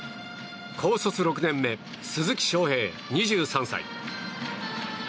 高卒６年目鈴木将平、２３歳。